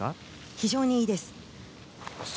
非常にいいです。